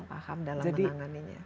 paham dalam menanganinya